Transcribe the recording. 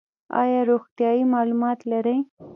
ایا روغتیایی معلومات لرئ؟